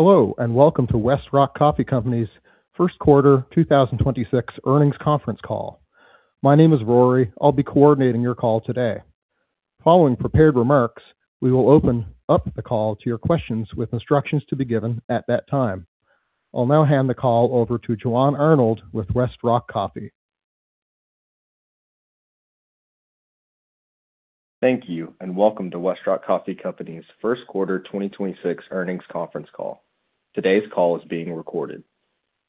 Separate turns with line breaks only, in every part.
Hello, welcome to Westrock Coffee Company's first quarter 2026 earnings conference call. My name is Rory. I'll be coordinating your call today. Following prepared remarks, we will open up the call to your questions with instructions to be given at that time. I'll now hand the call over to Jauan Arnold with Westrock Coffee.
Thank you, and welcome to Westrock Coffee Company's first quarter 2026 earnings conference call. Today's call is being recorded.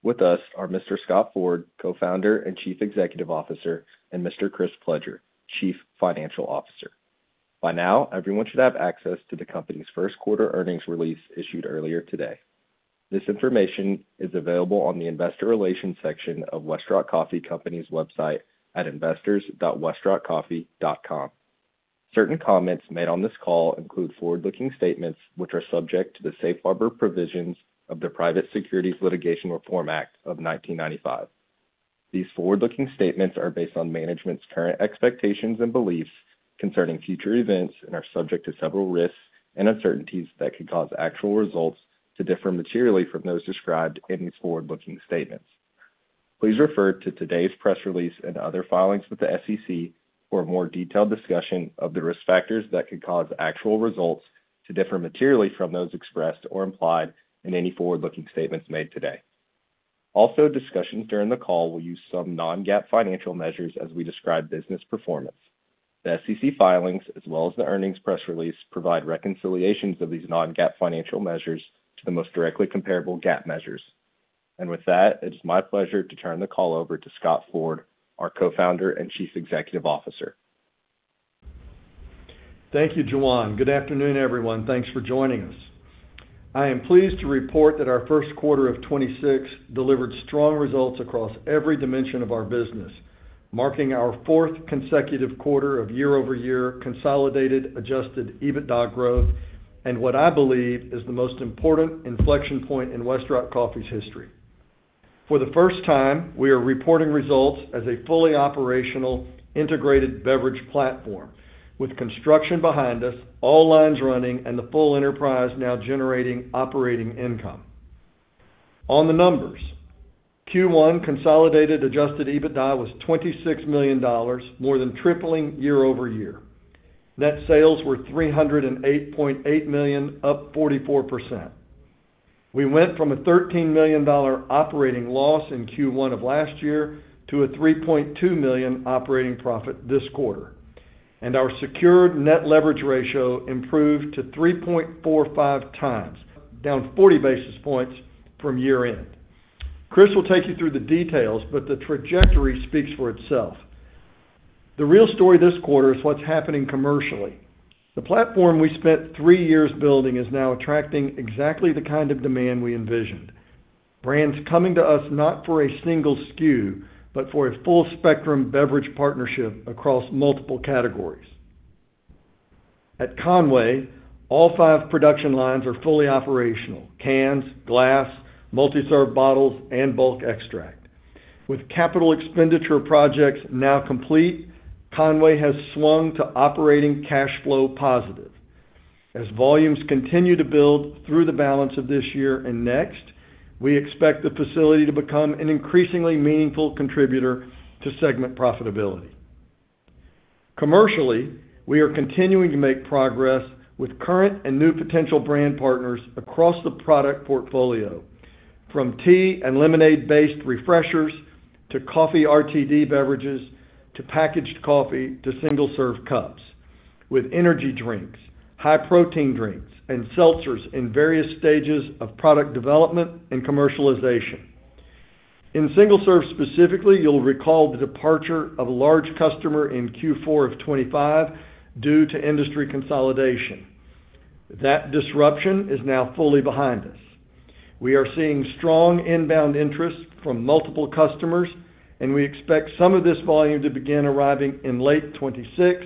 With us are Mr. Scott Ford, Co-founder and Chief Executive Officer, and Mr. Chris Pledger, Chief Financial Officer. By now, everyone should have access to the company's first quarter earnings release issued earlier today. This information is available on the investor relations section of Westrock Coffee Company's website at investors.westrockcoffee.com. Certain comments made on this call include forward-looking statements which are subject to the safe harbor provisions of the Private Securities Litigation Reform Act of 1995. These forward-looking statements are based on management's current expectations and beliefs concerning future events and are subject to several risks and uncertainties that could cause actual results to differ materially from those described in these forward-looking statements. Please refer to today's press release and other filings with the SEC for a more detailed discussion of the risk factors that could cause actual results to differ materially from those expressed or implied in any forward-looking statements made today. Also, discussions during the call will use some non-GAAP financial measures as we describe business performance. The SEC filings as well as the earnings press release provide reconciliations of these non-GAAP financial measures to the most directly comparable GAAP measures. With that, it's my pleasure to turn the call over to Scott Ford, our Co-founder and Chief Executive Officer.
Thank you, Jauan. Good afternoon, everyone. Thanks for joining us. I am pleased to report that our first quarter of 2026 delivered strong results across every dimension of our business, marking our fourth consecutive quarter of year-over-year consolidated adjusted EBITDA growth and what I believe is the most important inflection point in Westrock Coffee's history. For the first time, we are reporting results as a fully operational integrated beverage platform with construction behind us, all lines running, and the full enterprise now generating operating income. On the numbers, Q1 consolidated adjusted EBITDA was $26 million, more than tripling year-over-year. Net sales were $308.8 million, up 44%. We went from a $13 million operating loss in Q1 of last year to a $3.2 million operating profit this quarter. Our secured net leverage ratio improved to 3.45x, down 40 basis points from year-end. Chris will take you through the details, but the trajectory speaks for itself. The real story this quarter is what's happening commercially. The platform we spent three years building is now attracting exactly the kind of demand we envisioned. Brands coming to us not for a single SKU, but for a full spectrum beverage partnership across multiple categories. At Conway, all five production lines are fully operational: cans, glass, multi-serve bottles, and bulk extract. With capital expenditure projects now complete, Conway has swung to operating cash flow positive. As volumes continue to build through the balance of this year and next, we expect the facility to become an increasingly meaningful contributor to segment profitability. Commercially, we are continuing to make progress with current and new potential brand partners across the product portfolio, from tea and lemonade-based refreshers to coffee RTD beverages, to packaged coffee, to single-serve cups with energy drinks, high protein drinks, and seltzers in various stages of product development and commercialization. In single-serve specifically, you'll recall the departure of a large customer in Q4 of 2025 due to industry consolidation. That disruption is now fully behind us. We expect some of this volume to begin arriving in late 2026,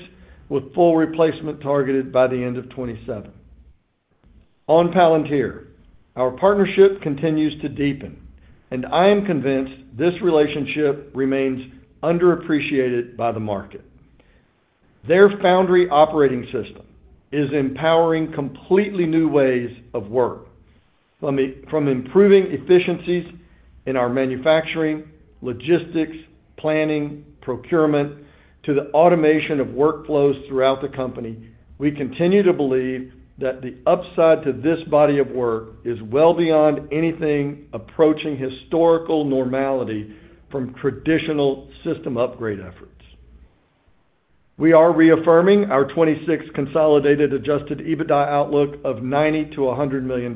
with full replacement targeted by the end of 2027. On Palantir, our partnership continues to deepen. I am convinced this relationship remains underappreciated by the market. Their Foundry operating system is empowering completely new ways of work. From improving efficiencies in our manufacturing, logistics, planning, procurement to the automation of workflows throughout the company, we continue to believe that the upside to this body of work is well beyond anything approaching historical normality from traditional system upgrade efforts. We are reaffirming our 26 consolidated adjusted EBITDA outlook of $90 million-$100 million.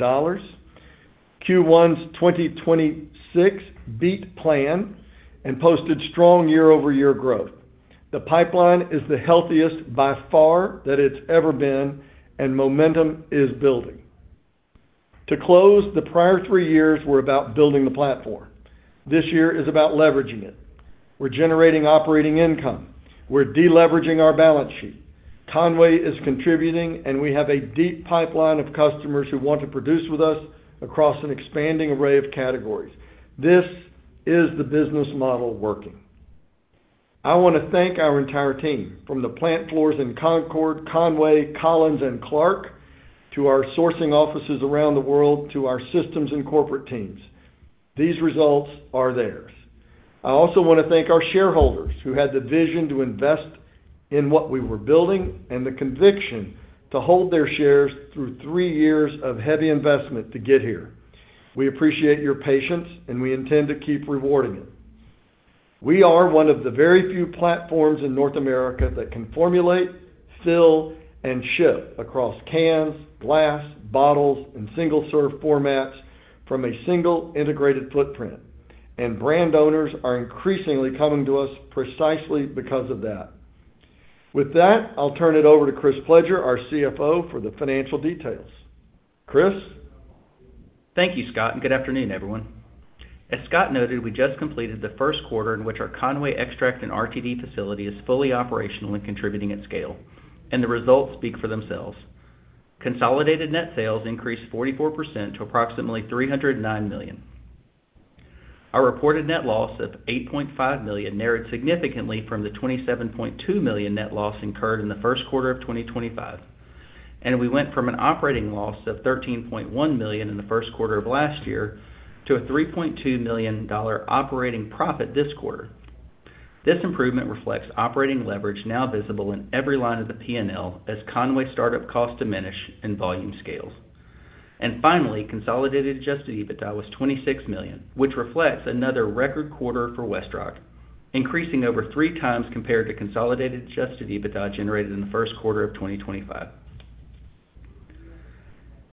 Q1's 2026 beat plan and posted strong year-over-year growth. The pipeline is the healthiest by far that it's ever been, and momentum is building. To close, the prior three years were about building the platform. This year is about leveraging it. We're generating operating income. We're de-leveraging our balance sheet. Conway is contributing, and we have a deep pipeline of customers who want to produce with us across an expanding array of categories. This is the business model working. I wanna thank our entire team, from the plant floors in Concord, Conway, Collins, and Clark, to our sourcing offices around the world, to our systems and corporate teams. These results are theirs. I also wanna thank our shareholders who had the vision to invest in what we were building and the conviction to hold their shares through three years of heavy investment to get here. We appreciate your patience, and we intend to keep rewarding it. We are one of the very few platforms in North America that can formulate, fill, and ship across cans, glass, bottles, and single-serve formats from a single integrated footprint, and brand owners are increasingly coming to us precisely because of that. With that, I'll turn it over to Chris Pledger, our CFO, for the financial details. Chris?
Thank you, Scott, and good afternoon, everyone. As Scott noted, we just completed the first quarter in which our Conway extract and RTD facility is fully operational and contributing at scale, and the results speak for themselves. Consolidated net sales increased 44% to approximately $309 million. Our reported net loss of $8.5 million narrowed significantly from the $27.2 million net loss incurred in the first quarter of 2025. We went from an operating loss of $13.1 million in the first quarter of last year to a $3.2 million operating profit this quarter. This improvement reflects operating leverage now visible in every line of the P&L as Conway startup costs diminish and volume scales. Finally, consolidated adjusted EBITDA was $26 million, which reflects another record quarter for Westrock Coffee, increasing over 3x compared to consolidated adjusted EBITDA generated in the first quarter of 2025.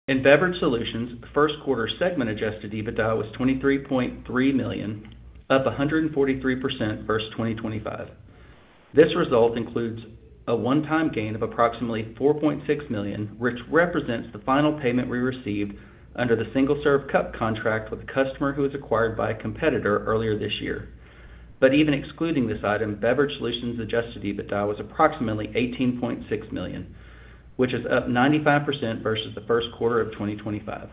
In Beverage Solutions, first quarter segment adjusted EBITDA was $23.3 million, up 143% versus 2025. This result includes a one-time gain of approximately $4.6 million, which represents the final payment we received under the single-serve cup contract with a customer who was acquired by a competitor earlier this year. Even excluding this item, Beverage Solutions' adjusted EBITDA was approximately $18.6 million, which is up 95% versus the first quarter of 2025.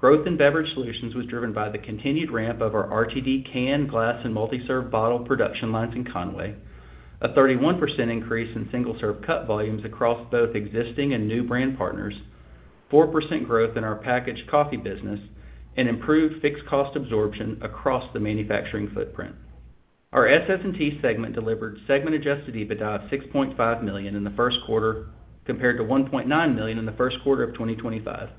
Growth in Beverage Solutions was driven by the continued ramp of our RTD can, glass, and multi-serve bottle production lines in Conway, a 31% increase in single-serve cup volumes across both existing and new brand partners, 4% growth in our packaged coffee business, and improved fixed cost absorption across the manufacturing footprint. Our SS&T segment delivered segment adjusted EBITDA of $6.5 million in the first quarter compared to $1.9 million in the first quarter of 2025.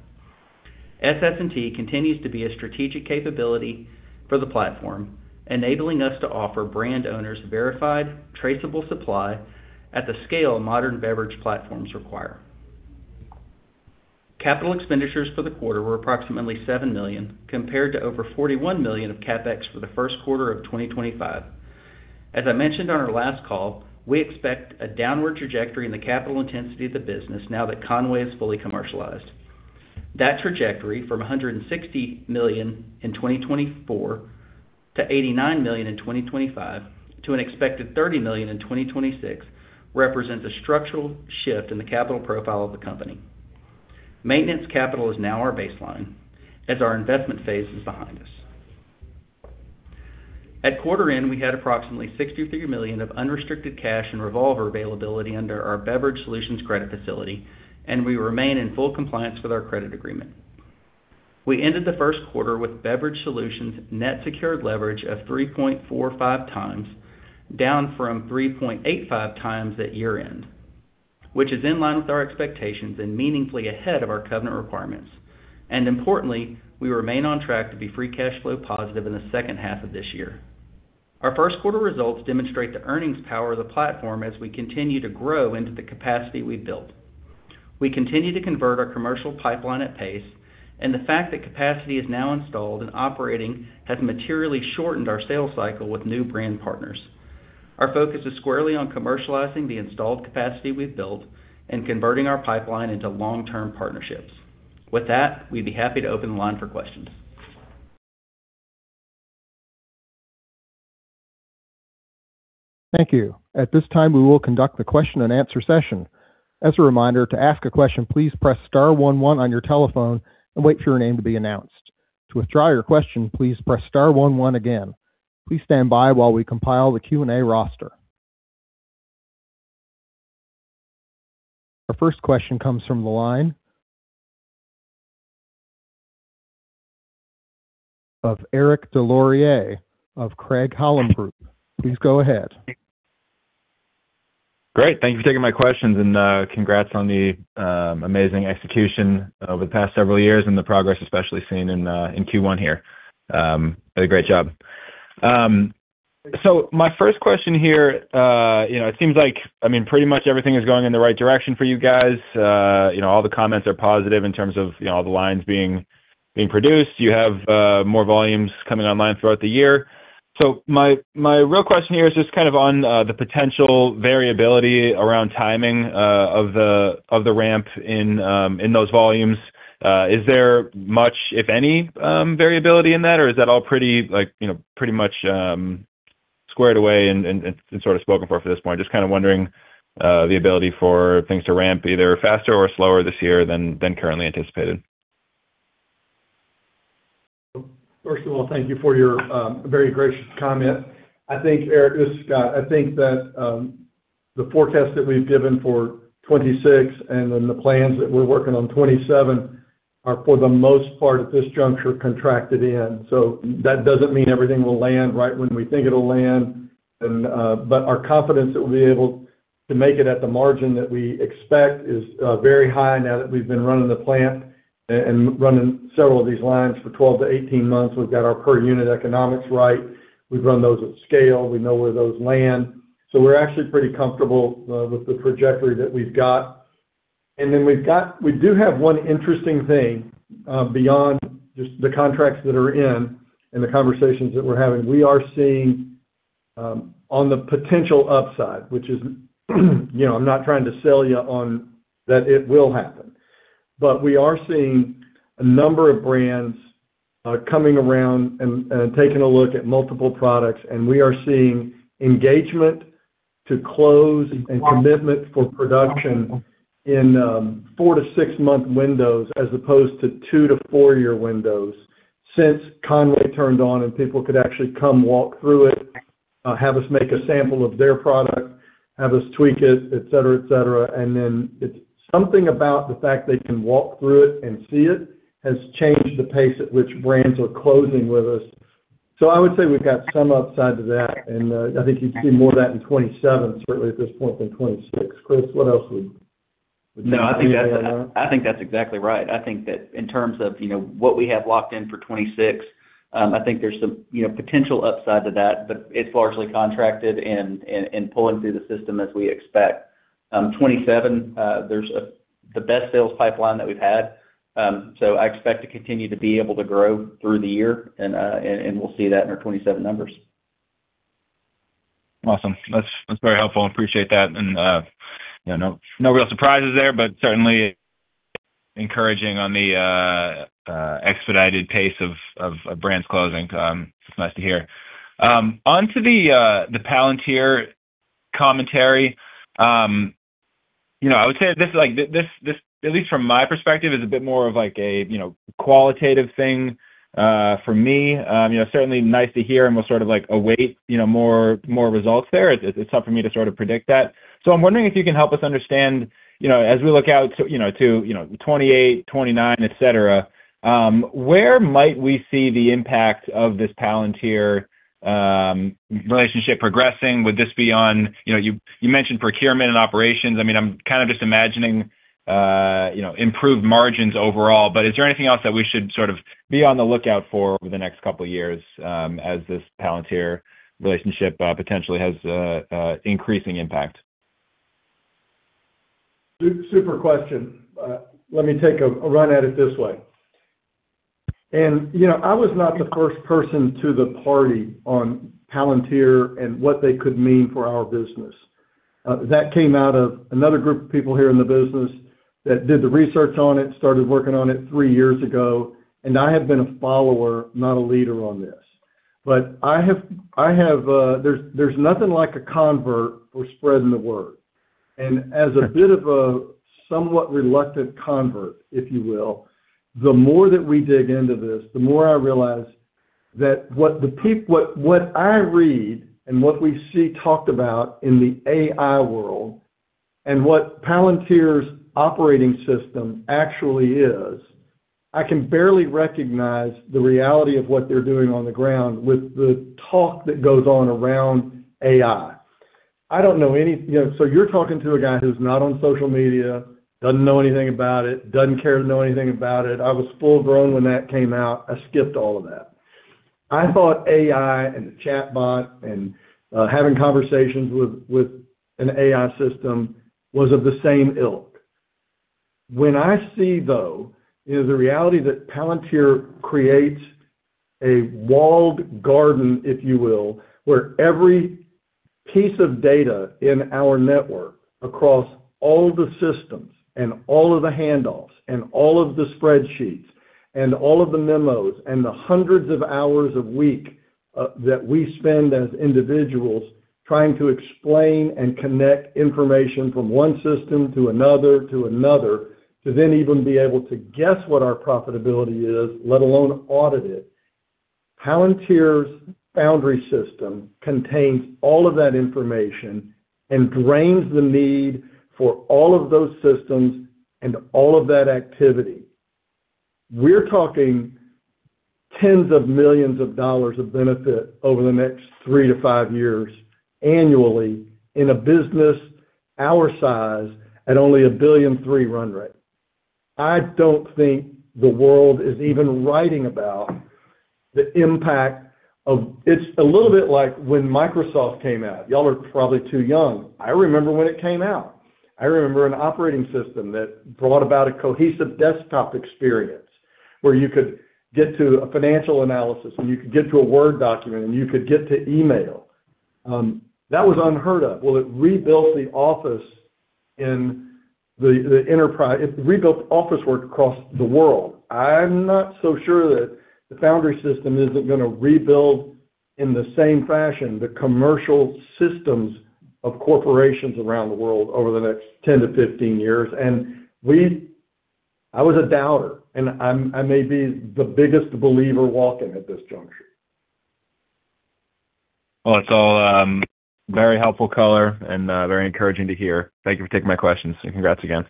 SS&T continues to be a strategic capability for the platform, enabling us to offer brand owners verified, traceable supply at the scale modern beverage platforms require. Capital expenditures for the quarter were approximately $7 million, compared to over $41 million of CapEx for the first quarter of 2025. As I mentioned on our last call, we expect a downward trajectory in the capital intensity of the business now that Conway is fully commercialized. That trajectory from $160 million in 2024 to $89 million in 2025 to an expected $30 million in 2026 represents a structural shift in the capital profile of the company. Maintenance capital is now our baseline as our investment phase is behind us. At quarter end, we had approximately $63 million of unrestricted cash and revolver availability under our Beverage Solutions credit facility, and we remain in full compliance with our credit agreement. We ended the first quarter with Beverage Solutions net secured leverage of 3.45x, down from 3.85x at year-end, which is in line with our expectations and meaningfully ahead of our covenant requirements. Importantly, we remain on track to be free cash flow positive in the second half of this year. Our first quarter results demonstrate the earnings power of the platform as we continue to grow into the capacity we've built. We continue to convert our commercial pipeline at pace, and the fact that capacity is now installed and operating has materially shortened our sales cycle with new brand partners. Our focus is squarely on commercializing the installed capacity we've built and converting our pipeline into long-term partnerships. With that, we'd be happy to open the line for questions.
Thank you. At this time, we will conduct the question and answer session. As a reminder, to ask a question, please press star one one on your telephone and wait for your name to be announced. To withdraw your question, please press star one one again. Please stand by while we compile the Q&A roster. Our first question comes from the line of Eric Des Lauriers of Craig-Hallum Group. Please go ahead.
Great. Thank you for taking my questions. Congrats on the amazing execution over the past several years and the progress, especially seen in Q1 here. Did a great job. My first question here, you know, it seems like, I mean, pretty much everything is going in the right direction for you guys. You know, all the comments are positive in terms of, you know, all the lines being produced. You have more volumes coming online throughout the year. My real question here is just kind of on the potential variability around timing of the ramp in those volumes. Is there much, if any, variability in that, or is that all pretty, like, you know, pretty much squared away and sort of spoken for this point? Just kind of wondering, the ability for things to ramp either faster or slower this year than currently anticipated.
First of all, thank you for your very gracious comment. Eric, the forecast that we've given for 2026 and then the plans that we're working on 2027 are, for the most part at this juncture, contracted in. That doesn't mean everything will land right when we think it'll land and, but our confidence that we'll be able to make it at the margin that we expect is very high now that we've been running the plant and running several of these lines for 12-18 months. We've got our per unit economics right. We've run those at scale. We know where those land. We're actually pretty comfortable with the trajectory that we've got. Then we do have one interesting thing, beyond just the contracts that are in and the conversations that we're having. We are seeing, on the potential upside, which is, you know, I'm not trying to sell you on that it will happen. We are seeing a number of brands coming around and taking a look at multiple products, and we are seeing engagement to close and commitment for production in four to six month windows as opposed to two to four year windows since Conway turned on and people could actually come walk through it, have us make a sample of their product, have us tweak it, et cetera. Then it's something about the fact they can walk through it and see it has changed the pace at which brands are closing with us. I would say we've got some upside to that, and I think you'd see more of that in 2027 certainly at this point than 2026. Chris, what else would you.
No, I think that's exactly right. I think that in terms of, you know, what we have locked in for 2026, I think there's some, you know, potential upside to that, but it's largely contracted and pulling through the system as we expect. 2027, there's the best sales pipeline that we've had. I expect to continue to be able to grow through the year and we'll see that in our 2027 numbers.
Awesome. That's, that's very helpful. Appreciate that. You know, no real surprises there, but certainly encouraging on the expedited pace of brands closing. It's nice to hear. Onto the Palantir commentary. You know, I would say this like, this at least from my perspective, is a bit more of like a, you know, qualitative thing for me. You know, certainly nice to hear and we'll sort of like await, you know, more results there. It's hard for me to sort of predict that. I'm wondering if you can help us understand, you know, as we look out to 2028, 2029, et cetera, where might we see the impact of this Palantir relationship progressing? Would this be on, you know, you mentioned procurement and operations. I mean, I'm kind of just imagining, you know, improved margins overall. Is there anything else that we should sort of be on the lookout for over the next couple of years, as this Palantir relationship, potentially has a increasing impact?
Super question. Let me take a run at it this way. You know, I was not the first person to the party on Palantir and what they could mean for our business. That came out of another group of people here in the business that did the research on it, started working on it three years ago, and I have been a follower, not a leader on this. I have, there's nothing like a convert for spreading the word. As a bit of a somewhat reluctant convert, if you will, the more that we dig into this, the more I realize that what I read and what we see talked about in the AI world and what Palantir's operating system actually is, I can barely recognize the reality of what they're doing on the ground with the talk that goes on around AI. I don't know any, you know, you're talking to a guy who's not on social media, doesn't know anything about it, doesn't care to know anything about it. I was full grown when that came out. I skipped all of that. I thought AI and the chatbot and having conversations with an AI system was of the same ilk. When I see, though, is the reality that Palantir creates a walled garden, if you will, where every piece of data in our network across all the systems and all of the handoffs and all of the spreadsheets and all of the memos and the hundreds of hours a week that we spend as individuals trying to explain and connect information from one system to another to another to then even be able to guess what our profitability is, let alone audit it. Palantir's Foundry system contains all of that information and drains the need for all of those systems and all of that activity. We're talking tens of millions of dollars of benefit over the next three to five years annually in a business our size at only a $1.3 billion run rate. I don't think the world is even writing about. It's a little bit like when Microsoft came out. Y'all are probably too young. I remember when it came out. I remember an operating system that brought about a cohesive desktop experience, where you could get to a financial analysis, and you could get to a Word document, and you could get to email. That was unheard of. Well, it rebuilt the office in the enterprise. It rebuilt office work across the world. I'm not so sure that the Foundry system isn't gonna rebuild in the same fashion, the commercial systems of corporations around the world over the next 10-15 years. I was a doubter, I may be the biggest believer walking at this juncture.
Well, it's all very helpful color and very encouraging to hear. Thank you for taking my questions, and congrats again.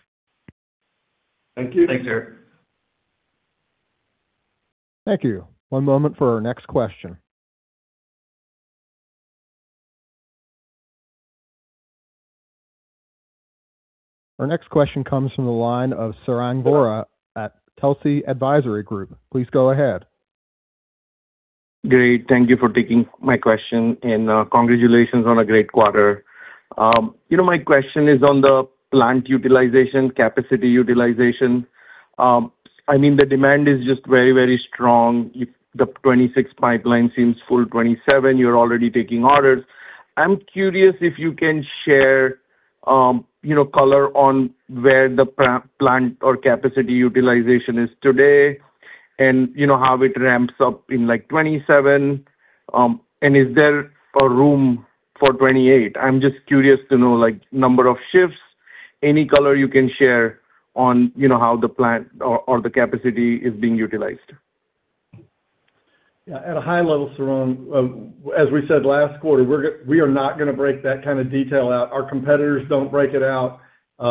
Thank you.
Thanks, Eric.
Thank you. One moment for our next question. Our next question comes from the line of Sarang Vora at Telsey Advisory Group. Please go ahead.
Great. Thank you for taking my question. Congratulations on a great quarter. You know, my question is on the plant utilization, capacity utilization. I mean, the demand is just very, very strong. If the 2026 pipeline seems full, 2027, you're already taking orders. I'm curious if you can share, you know, color on where the plant or capacity utilization is today, and you know, how it ramps up in like 2027. Is there a room for 2028? I'm just curious to know, like, number of shifts, any color you can share on, you know, how the plant or the capacity is being utilized.
Yeah. At a high level, Sarang, as we said last quarter, we are not gonna break that kind of detail out. Our competitors don't break it out, I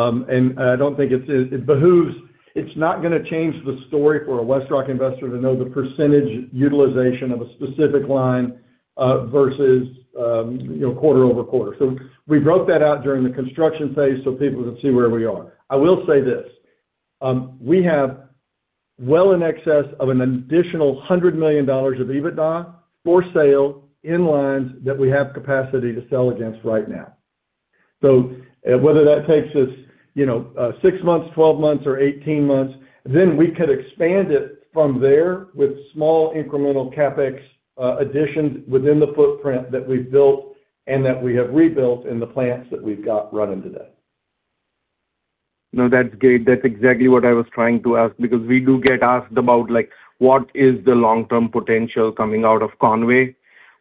don't think it's gonna change the story for a Westrock Coffee investor to know the percentage utilization of a specific line versus, you know, quarter-over-quarter. We broke that out during the construction phase so people can see where we are. I will say this, we have well in excess of an additional $100 million of EBITDA for sale in lines that we have capacity to sell against right now. Whether that takes us, you know, six months, 12 months or 18 months, then we could expand it from there with small incremental CapEx additions within the footprint that we've built and that we have rebuilt in the plants that we've got running today.
No, that's great. That's exactly what I was trying to ask, because we do get asked about, like, what is the long-term potential coming out of Conway?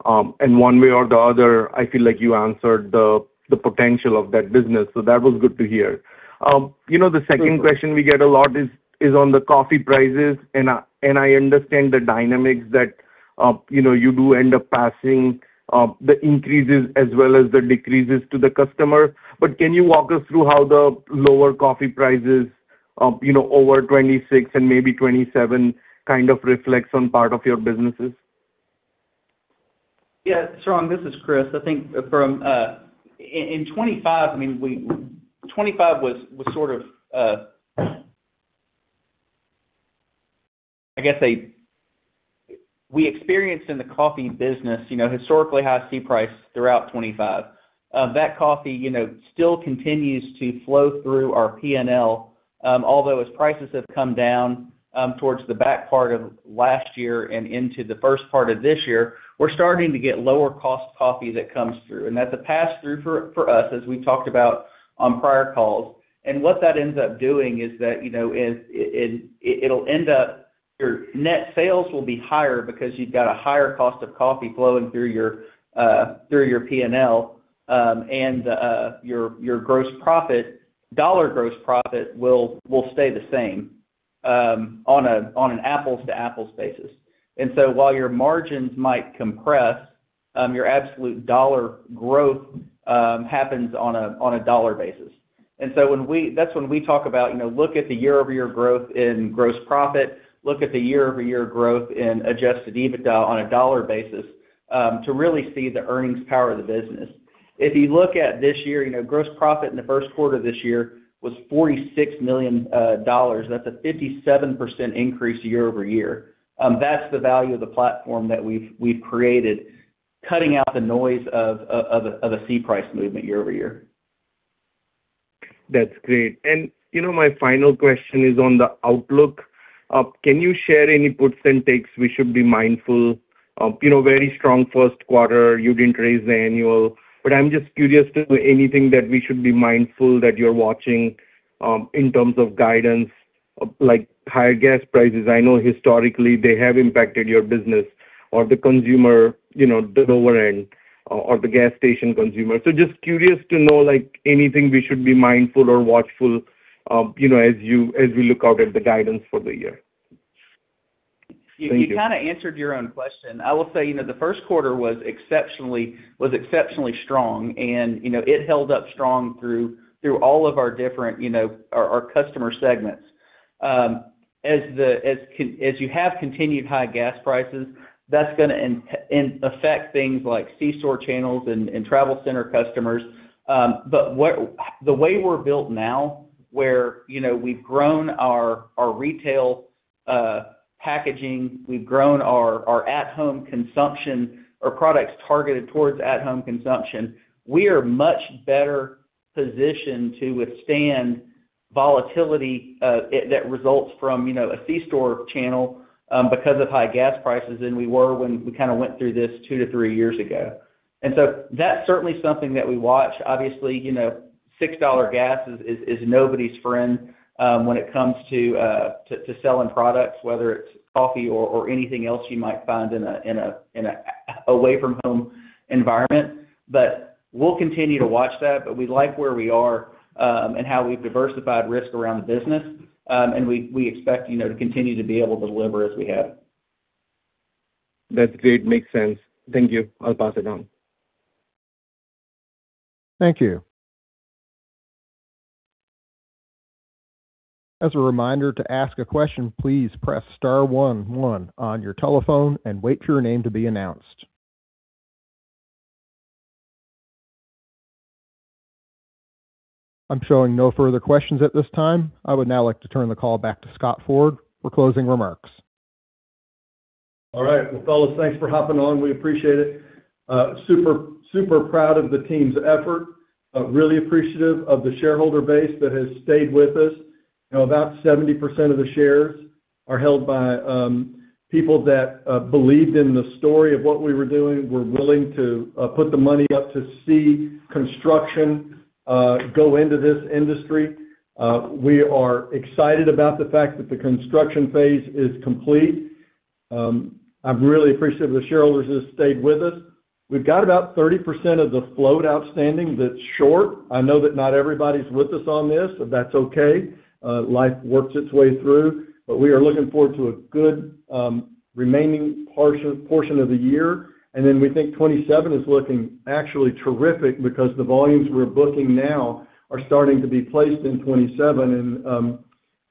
One way or the other, I feel like you answered the potential of that business. That was good to hear. You know, the second question we get a lot is on the coffee prices, and I understand the dynamics that, you know, you do end up passing the increases as well as the decreases to the customer. Can you walk us through how the lower coffee prices, you know, over 2026 and maybe 2027 kind of reflects on part of your businesses?
Yeah, Sarang, this is Chris. I think from 2025, I mean, 2025 was sort of, I guess, we experienced in the coffee business, you know, historically high C price throughout 2025. That coffee, you know, still continues to flow through our P&L. Although as prices have come down towards the back part of last year and into the first part of this year, we're starting to get lower cost coffee that comes through, and that's a pass-through for us, as we talked about on prior calls. What that ends up doing is that, you know, your net sales will be higher because you've got a higher cost of coffee flowing through your P&L, and your gross profit, dollar gross profit will stay the same, on an apples to apples basis. While your margins might compress, your absolute dollar growth happens on a dollar basis. That's when we talk about, you know, look at the year-over-year growth in gross profit, look at the year-over-year growth in adjusted EBITDA on a dollar basis, to really see the earnings power of the business. If you look at this year, you know, gross profit in the first quarter this year was $46 million. That's a 57% increase year-over-year. That's the value of the platform that we've created, cutting out the noise of a C price movement year-over-year.
You know, my final question is on the outlook. Can you share any puts and takes we should be mindful of? You know, very strong first quarter, you didn't raise the annual. I'm just curious to know anything that we should be mindful that you're watching, in terms of guidance, like higher gas prices. I know historically they have impacted your business or the consumer, you know, the lower end or the gas station consumer. Just curious to know, like, anything we should be mindful or watchful, you know, as we look out at the guidance for the year. Thank you.
You kind of answered your own question. I will say, the first quarter was exceptionally strong, it held up strong through all of our different, our customer segments. As you have continued high gas prices, that's gonna affect things like c-store channels and travel center customers. The way we're built now, where we've grown our retail packaging, we've grown our at-home consumption or products targeted towards at-home consumption, we are much better positioned to withstand volatility that results from a c-store channel because of high gas prices than we were when we kinda went through this two to three years ago. That's certainly something that we watch. Obviously. $6 gas is nobody's friend when it comes to selling products, whether it's coffee or anything else you might find in a away from home environment. But we'll continue to watch that, but we like where we are and how we've diversified risk around the business. We expect, you know, to continue to be able to deliver as we have.
That's great. Makes sense. Thank you. I'll pass it on.
Thank you. As a reminder, to ask a question, please press star one one on your telephone and wait for your name to be announced. I am showing no further questions at this time. I would now like to turn the call back to Scott Ford for closing remarks.
All right. Well, fellas, thanks for hopping on. We appreciate it. Super proud of the team's effort. Really appreciative of the shareholder base that has stayed with us. You know, about 70% of the shares are held by people that believed in the story of what we were doing. We're willing to put the money up to see construction go into this industry. We are excited about the fact that the construction phase is complete. I'm really appreciative of the shareholders that have stayed with us. We've got about 30% of the float outstanding that's short. I know that not everybody's with us on this. That's okay. Life works its way through. We are looking forward to a good remaining portion of the year. Then we think 2027 is looking actually terrific because the volumes we're booking now are starting to be placed in 2027.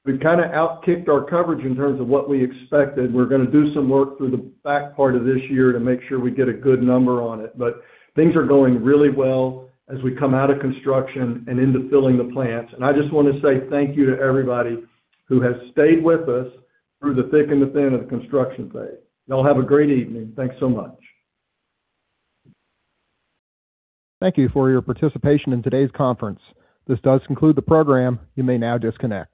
We've kinda outkicked our coverage in terms of what we expected. We're gonna do some work through the back part of this year to make sure we get a good number on it. Things are going really well as we come out of construction and into filling the plants. I just wanna say thank you to everybody who has stayed with us through the thick and the thin of the construction phase. Y'all have a great evening. Thanks so much.
Thank you for your participation in today's conference. This does conclude the program. You may now disconnect.